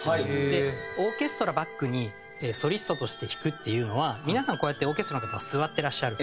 でオーケストラバックにソリストとして弾くっていうのは皆さんこうやってオーケストラの方は座ってらっしゃる。